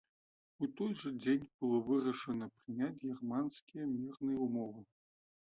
У той жа дзень было вырашана прыняць германскія мірныя ўмовы.